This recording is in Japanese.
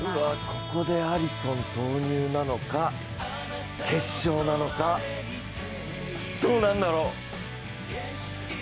ここでアリソン投入なのか、決勝なのか、どうなんだろう！